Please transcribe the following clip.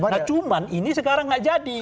nah cuman ini sekarang nggak jadi